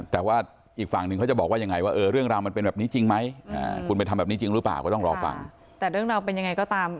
แต่ว่าอีกฝั่งหนึ่งเขาจะบอกว่ายังไงว่าเออเรื่องราวมันเป็นแบบนี้จริงไหมคุณไปทำแบบนี้จริงหรือเปล่าก็ต้องรอฟัง